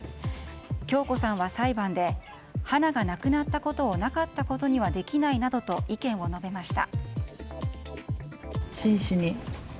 響子さんは裁判で花が亡くなったことをなかったことにはできないなどと意見を述べました。